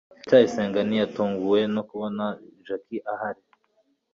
ndacyayisenga ntiyatunguwe no kubona jaki ahari